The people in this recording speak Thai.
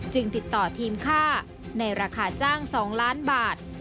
ติดต่อทีมค่าในราคาจ้าง๒ล้านบาท